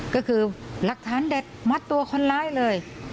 ก็คือหลักฐานเด็ดมัดตัวคนร้ายเลย